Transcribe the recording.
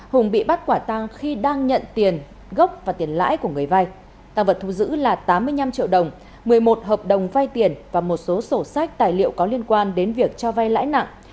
hùng bị bắt quả tăng khi đang nhận tiền gốc và tiền lãi của người vai tăng vật thu giữ là tám mươi năm triệu đồng một mươi một hợp đồng vay tiền và một số sổ sách tài liệu có liên quan đến việc cho vay lãi nặng